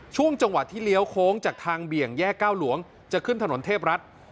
ช่วงจังหวะที่เลี้ยวโค้งจากทางเบี่ยงแยกเก้าหลวงจะขึ้นถนนเทพรัฐ